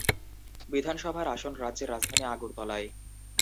বিধানসভার আসন রাজ্যের রাজধানী আগরতলায়।